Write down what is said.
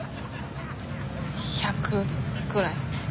１００くらい？